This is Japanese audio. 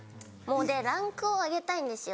でランクを上げたいんですよ。